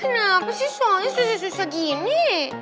kenapa sih soalnya susah susah gini